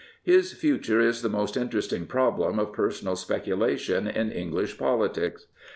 His future is the most interesting problem of personal speculation in English politics.